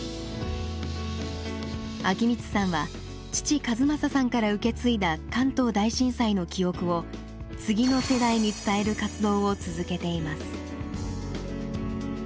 昭光さんは父一正さんから受け継いだ関東大震災の記憶を次の世代に伝える活動を続けています。